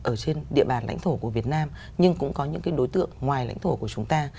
ở trên địa bàn lãnh thổ của việt nam nhưng cũng có những cái đối tượng ngoài lãnh thổ của chúng ta